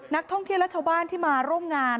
นักท่องเที่ยรักชาวบ้านที่มาโรงงาน